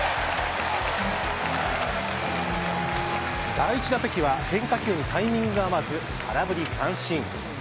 第１打席は変化球にタイミングが合わず空振り三振。